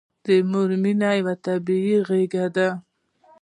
د مور مینه یوه طبیعي غريزه ده.